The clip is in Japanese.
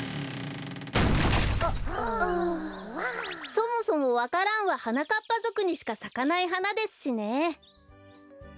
そもそもわか蘭ははなかっぱぞくにしかさかないはなですしね。